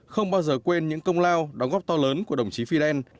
không bao giờ quên những công lao đóng góp to lớn của đồng chí filen